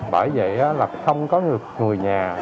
bởi vậy là không có người nhà